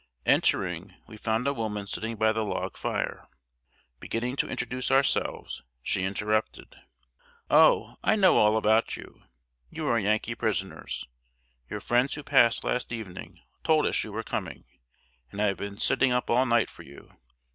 Entering, we found a woman sitting by the log fire. Beginning to introduce ourselves, she interrupted: "O, I know all about you. You are Yankee prisoners. Your friends who passed last evening told us you were coming, and I have been sitting up all night for you.